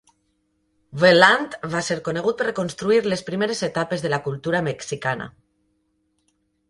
Vaillant va ser conegut per reconstruir les primeres etapes de la cultura mexicana.